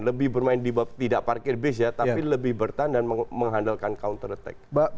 lebih bermain di bab tidak parkir base ya tapi lebih bertahan dan mengandalkan counter attack